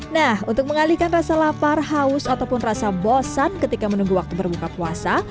nah untuk mengalihkan rasa lapar haus ataupun rasa bosan ketika menunggu waktu berbuka puasa